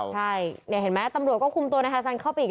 ใช่นี่เห็นไหมตำรวจก็คุมตัวนายฮาซันเข้าไปอีก